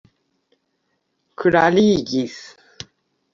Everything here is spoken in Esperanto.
klarigis